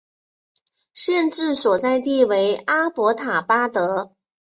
县治所在地为阿伯塔巴德。